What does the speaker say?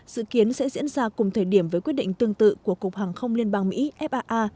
dự kiến sẽ diễn ra cùng thời điểm với quyết định tương tự của cục hàng không liên bang mỹ faa